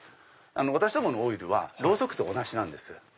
私どものオイルはロウソクと同じなんです。